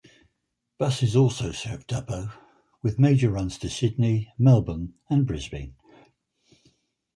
Buses also serve Dubbo, with major runs to Sydney, Melbourne and Brisbane.